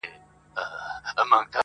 سره او شنه یې وزرونه سره مشوکه-